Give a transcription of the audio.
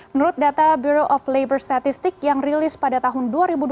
menurut data buro of labor statistic yang rilis pada tahun dua ribu dua puluh